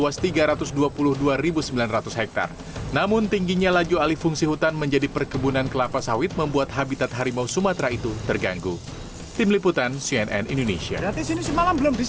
masyarakat tidak mengambil tindakan sendiri sendiri tidak mengambil tindakan yang anarkis terhadap satwa khususnya harimau yang berada di sana